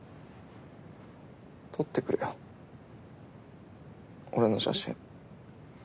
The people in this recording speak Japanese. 撮ってくれよ俺の写真。